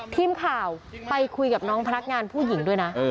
ทีมข่าวไปคุยกับน้องพนักงานผู้หญิงด้วยนะ